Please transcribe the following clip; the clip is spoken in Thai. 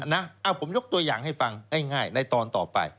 เอาผมยกตัวอย่างให้ฟังง่ายในตอนต่อไป